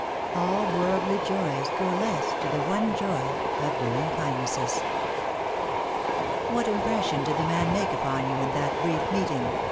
All worldly joys go less To the one joy of doing kindnesses." "What impression did the man make upon you in that brief meeting?"